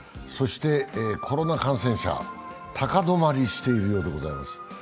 そしてコロナ感染者、高止まりしているようでございます。